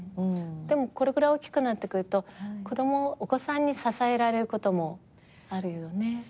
でもこれぐらい大きくなってくるとお子さんに支えられることもあるよね。